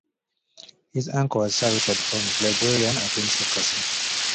His uncle was Sir Richard Holmes, librarian at Windsor Castle.